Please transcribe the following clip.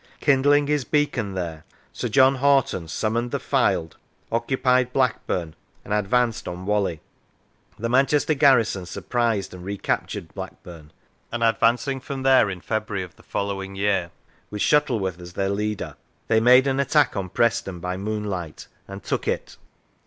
Kindling his beacon there, Sir John Hoghton summoned the Fylde, oc cupied Blackburn, and advanced on Whalley. The Manchester garrison surprised and recaptured Black burn, and advancing from there in February of the following year, with Shuttleworth as their leader, 92 The War of Religion they made an attack on Preston by moonlight and took it.